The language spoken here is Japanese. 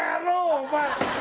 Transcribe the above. お前。